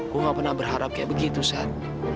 gue gak pernah berharap kayak begitu sat